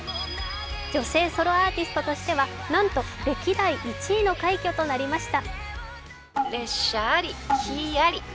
女性ソロアーティストとしては、なんと歴代１位の快挙となりました。